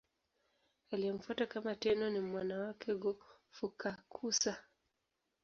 Aliyemfuata kama Tenno ni mwana wake Go-Fukakusa.